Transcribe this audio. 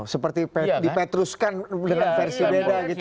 seperti dipetruskan dengan versi beda gitu